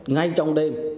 ngay trong đêm